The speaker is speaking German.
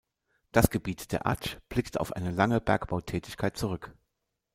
Das Gebiet der Atsch blickt auf eine lange Bergbautätigkeit zurück.